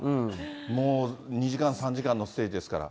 もう２時間、３時間のステージですから。